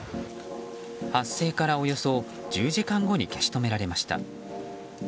発生からおよそ１０時間後に消し止められました。